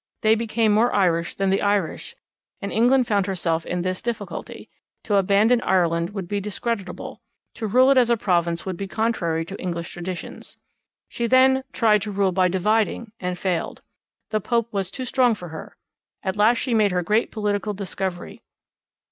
They became more Irish than the Irish, and England found herself in this difficulty: 'To abandon Ireland would be discreditable, to rule it as a province would be contrary to English traditions.' She then 'tried to rule by dividing,' and failed. The Pope was too strong for her. At last she made her great political discovery.